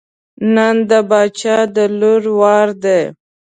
نن د باچا د لور وار دی.